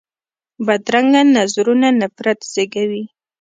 بدرنګه نظرونه نفرت زېږوي